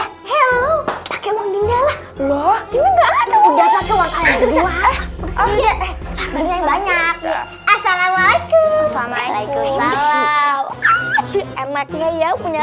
halo pakai uang dinda loh enggak ada banyak assalamualaikum waalaikumsalam enaknya ya punya